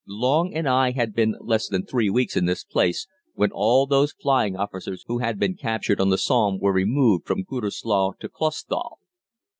Long and I had been less than three weeks in this place when all those flying officers who had been captured on the Somme were removed from Gütersloh to Clausthal.